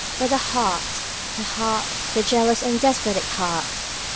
But the heart, the heart, the jealous and despotic heart!